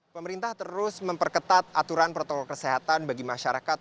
pemerintah terus memperketat aturan protokol kesehatan bagi masyarakat